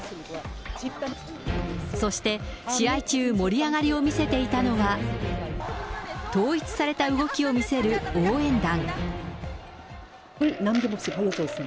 そして、試合中、盛り上がりを見せていたのは、統一された動きを見せる応援団。